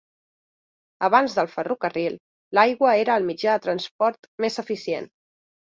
Abans del ferrocarril, l'aigua era el mitjà de transport més eficient.